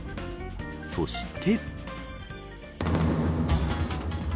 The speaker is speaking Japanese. そして。